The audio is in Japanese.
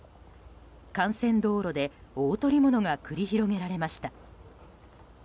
幹線道路で大捕物が繰り広げられました。